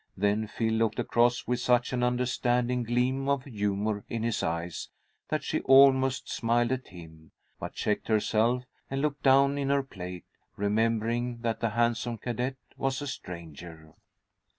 Then Phil looked across with such an understanding gleam of humour in his eyes that she almost smiled at him, but checked herself, and looked down in her plate, remembering that the handsome cadet was a stranger.